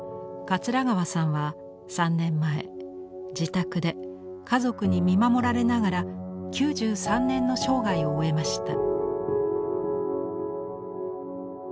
桂川さんは３年前自宅で家族に見守られながら９３年の生涯を終えました。